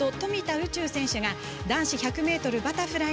宇宙選手が男子１００ｍバタフライに出場。